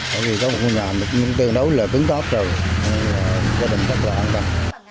bởi vì có một ngôi nhà tương đối là tướng góp rồi gia đình rất là an toàn